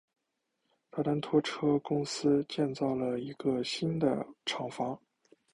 大丹拖车公司建造了一个新的厂房。